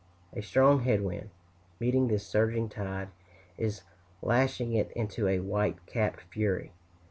A strong head wind, meeting this surging tide, is lashing it into a white capped fury.